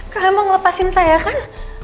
kalian mau ngelepasin saya kan